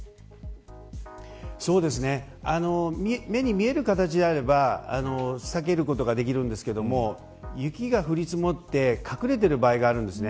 目に見える形であれば避けることができるんですけれども雪が降り積もって隠れている場合があるんですね。